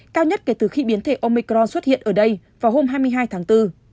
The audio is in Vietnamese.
cao nhất kể từ khi biến thể omicron xuất hiện ở đây vào hôm hai mươi hai tháng bốn